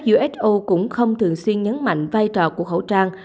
uso cũng không thường xuyên nhấn mạnh vai trò của khẩu trang